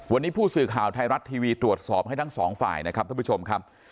วันนี้ผู้สื่อข่าวไทยรัฐทีวีตรวจสอบให้ทั้งสองฝ่ายนะครับท่านผู้ชมครับ